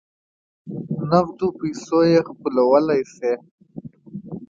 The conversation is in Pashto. په نغدو پیسو یې خپلولای سی.